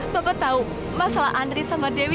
bapak tahu masalah andri sama dewi